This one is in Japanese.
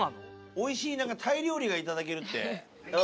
美味しいタイ料理がいただけるって。